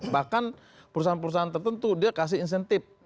bahkan perusahaan perusahaan tertentu dia kasih insentif